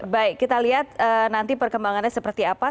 baik kita lihat nanti perkembangannya seperti apa